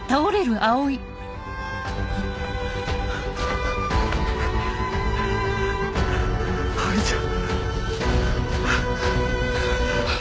葵ちゃん！